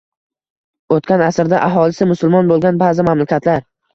o‘tkan asrda aholisi musulmon bo‘lgan ba’zi mamlakatlar